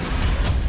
lu kan mbak